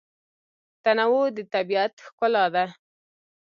تنوع د طبیعت ښکلا ده.